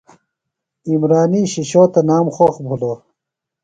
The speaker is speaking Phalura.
عمرانی شِشو تنام خوخ بِھلوۡ۔